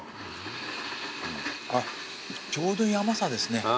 あっちょうどいい甘さですね。